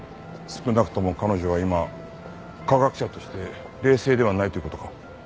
少なくとも彼女は今科学者として冷静ではないという事か。